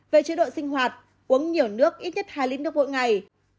về chế độ sinh hoạt uống nhiều nước ít nhất hai lít nước mỗi ngày